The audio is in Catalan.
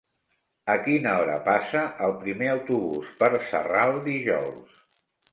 A quina hora passa el primer autobús per Sarral dijous?